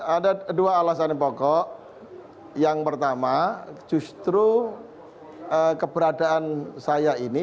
ada dua alasan yang pokok yang pertama justru keberadaan saya ini